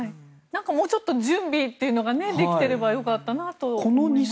もうちょっと準備というのができていればよかったなと思いますね。